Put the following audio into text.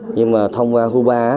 nhưng mà thông qua huba